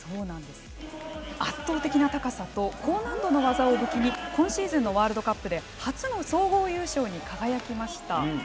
圧倒的な高さと高難度の技を武器に今シーズンのワールドカップで初の総合優勝に輝きました。